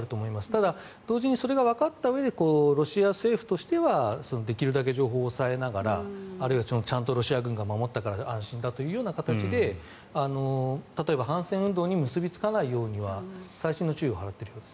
ただ、同時にそれがわかったうえでロシア政府としてはできるだけ情報を抑えながらあるいはちゃんとロシア軍が守ったから安心だという形で、例えば反戦運動に結びつかないようには細心の注意を払っているようです。